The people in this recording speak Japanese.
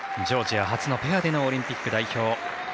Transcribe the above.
ジョージア初のペアでのオリンピック代表。